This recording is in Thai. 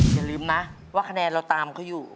อย่าลืมนะว่าคะแนนเราตามเขาอยู่